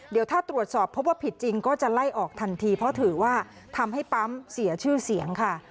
เดี๋ยวถ้าตรวจสอบพบว่าผิดจริงก็จะไล่ออกทันทีเพราะถือว่าทำให้ปั๊มเสียชื่อเสียงค่ะ